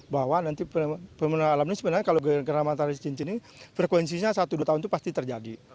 bahwa nanti pemena alam ini sebenarnya kalau gerhana matahari cincin ini frekuensinya satu dua tahun itu pasti terjadi